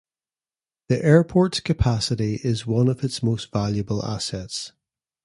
The airport's capacity is one of its most valuable assets.